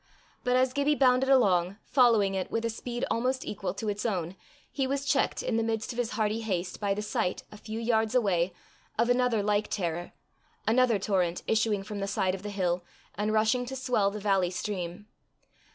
But as Gibbie bounded along, following it with a speed almost equal to its own, he was checked in the midst of his hearty haste by the sight, a few yards away, of another like terror another torrent issuing from the side of the hill, and rushing to swell the valley stream.